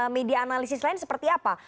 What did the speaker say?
media analisis lain seperti apa